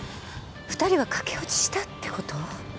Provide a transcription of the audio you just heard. ２人は駆け落ちしたってこと？